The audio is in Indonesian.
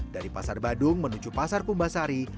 dari pasar badung menuju pasar kubah sari